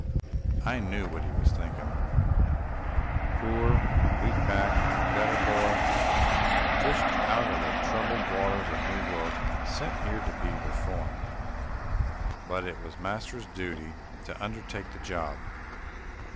I knew what he was thinking, "Poor weak backed, gutter boy, fished out of the troubled waters of New York, and sent here to be reformed" but it was master's duty to undertake the job.